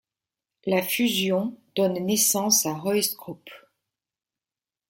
La fusion donne naissance à Hoist Group.